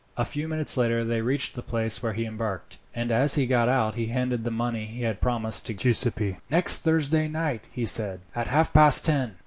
A few minutes later they reached the place where he embarked, and as he got out he handed the money he had promised to Giuseppi. "Next Thursday night," he said, "at half past ten."